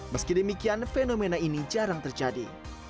meski demikian fenomena ini jarang terjadi